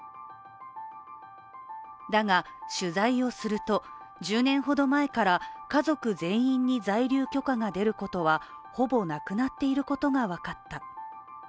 だが、取材をすると、１０年ほど前から家族全員に在留許可が出ることはほぼなくなっていることが分かった。